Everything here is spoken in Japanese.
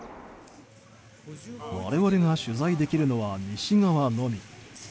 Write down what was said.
我々が取材できるのは西側のみ。